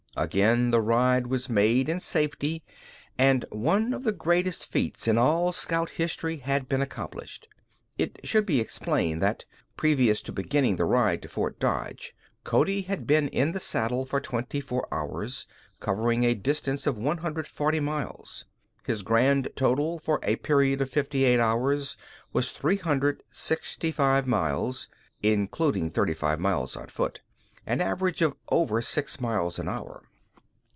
Again the ride was made in safety, and one of the greatest feats in all scout history had been accomplished. It should be explained that, previous to beginning the ride to Fort Dodge, Cody had been in the saddle for twenty hours, covering a distance of 140 miles. His grand total for a period of fifty eight hours was 365 miles (including thirty five miles on foot), an average of over six miles an hour.